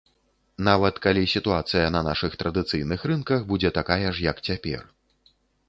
Нават калі сітуацыя на нашых традыцыйных рынках будзе такая ж, як цяпер.